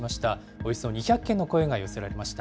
およそ２００件の声が寄せられていました。